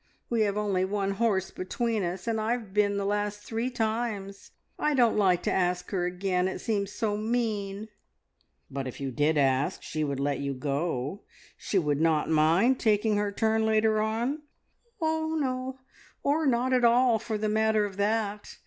We have only one horse between us, and I have been the last three times. I don't like to ask her again. It seems so mean." "But if you did ask, she would let you go. She would not mind taking her turn later on?" "Oh no, or not at all, for the matter of that.